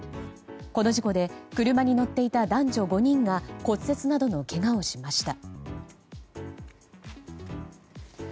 この事故で車に乗っていた男女５人が骨折などのけがをしました。